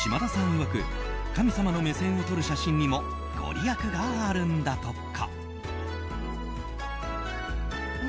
いわく神様の目線を撮る写真にもご利益があるんだとか。